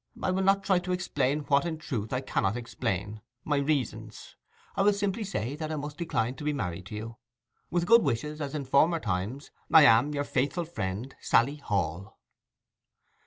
I will not try to explain what, in truth, I cannot explain—my reasons; I will simply say that I must decline to be married to you. With good wishes as in former times, I am, your faithful friend, 'SALLY HALL.